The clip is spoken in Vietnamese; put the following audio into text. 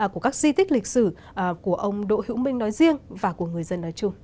của các di tích lịch sử của ông đỗ hữu minh nói riêng và của người dân nói chung